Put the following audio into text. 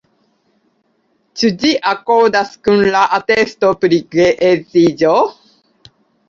Ĉu ĝi akordas kun la atesto pri geedziĝo?